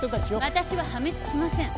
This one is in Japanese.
私は破滅しません。